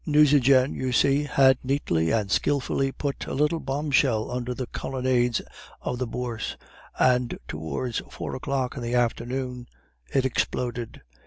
"Nucingen, you see, had neatly and skilfully put a little bombshell under the colonnades of the Bourse, and towards four o'clock in the afternoon it exploded.